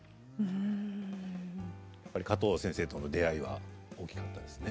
やっぱり加藤先生との出会いは大きかったですね。